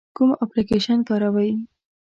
کوم اپلیکیشن کاروئ؟